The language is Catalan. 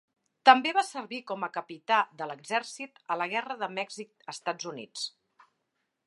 També va servir com a capità de l'exèrcit a la Guerra de Mèxic-Estats Units.